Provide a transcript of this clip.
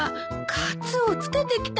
カツオつけてきたのね！